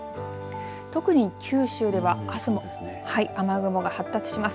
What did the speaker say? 特に九州ではあすも雨雲が発達します。